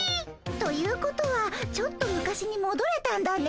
ということはちょっと昔にもどれたんだね。